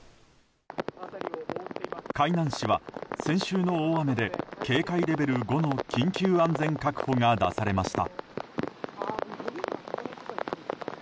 海南市は先週の大雨で警戒レベル５の緊急安全確保が出されました。